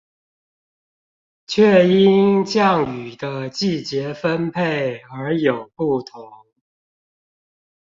卻因降雨的季節分配而有不同